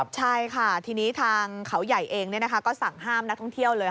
ใช่ค่ะทีนี้ทางเขาใหญ่เองก็สั่งห้ามนักท่องเที่ยวเลย